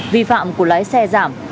vi phạm của lái xe giảm